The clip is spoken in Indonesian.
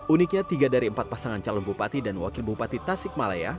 uniknya tiga dari empat pasangan calon bupati dan wakil bupati tasikmalaya